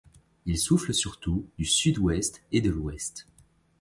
Ils soufflent surtout du sud-ouest et de l’ouest.